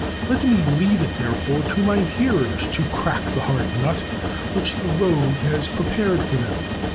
Let me leave it, therefore, to my hearers to crack the hard nut which the Rogue has prepared for them.